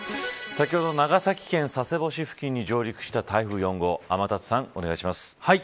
先ほど長崎県に上陸した台風４号天達さん、お願いします。